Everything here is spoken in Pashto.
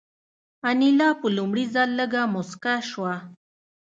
انیلا په لومړي ځل لږه موسکه شوه